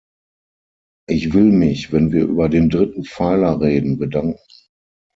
Ich will mich, wenn wir über den dritten Pfeiler reden, bedanken.